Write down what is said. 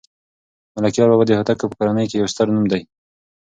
ملکیار بابا د هوتکو په کورنۍ کې یو ستر نوم دی